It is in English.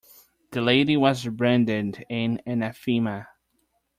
The lady was branded an anathema.